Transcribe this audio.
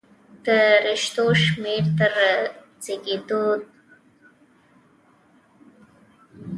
د رشتو شمېر تر زېږېدو د مه د مور په نس کې جوړېږي.